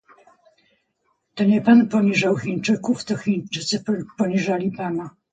To nie pan poniżał Chińczyków, to Chińczycy poniżali pana